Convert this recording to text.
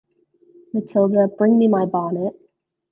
Matilda, bring me my bonnet.